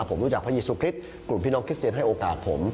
ผมรู้จักพระยีสุคริสต์กลุ่มพี่น้องคริสเซียนให้โอกาสผม